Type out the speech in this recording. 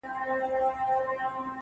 ته كه له ښاره ځې پرېږدې خپــل كــــــور.